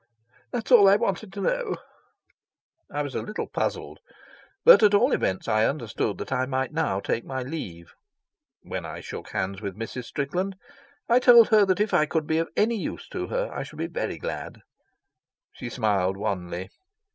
"That's all I wanted to know." I was a little puzzled, but at all events I understood that I might now take my leave. When I shook hands with Mrs. Strickland I told her that if I could be of any use to her I should be very glad. She smiled wanly.